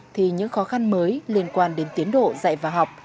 thì những khó khăn mới liên quan đến tiến độ dạy và học